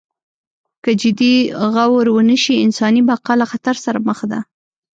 که جدي غور ونشي انساني بقا له خطر سره مخ ده.